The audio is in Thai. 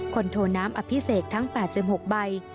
คนโทน้ำอภิเษกทั้ง๘๖ใบ